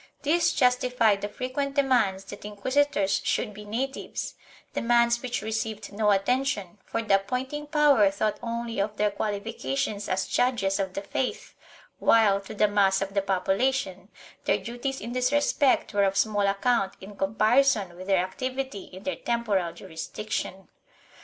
This justified the frequent demands that inquisitors should be natives — demands which received no attention, for the appointing power thought only of their qualifications as judges of the faith while, to the mass of the population, their duties in this respect were of small account in comparison with their activity in their temporal jurisdiction.